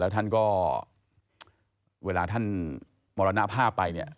ท่านก็เวลาท่านมรณภาพไปเนี่ย